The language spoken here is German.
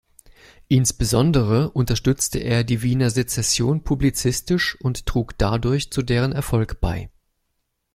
Insbesondere unterstützte er die Wiener Secession publizistisch und trug dadurch zu deren Erfolg bei.